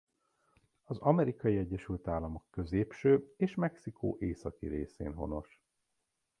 Az Amerikai Egyesült Államok középső és Mexikó északi részén honos.